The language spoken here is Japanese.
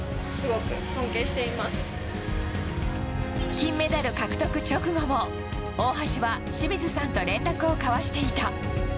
金メダル獲得直後も大橋は清水さんと連絡を交わしていた。